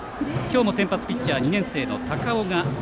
今日の先発ピッチャーは２年生の高尾。